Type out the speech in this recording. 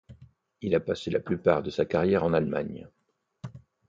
Il a passé la plupart de sa carrière en Allemagne.